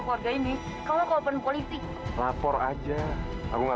video ini disunjukan oleh r omdat anfam